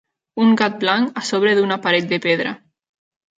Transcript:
Un gat blanc a sobre d'una paret de pedra.